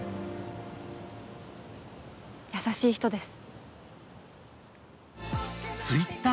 優しい人です。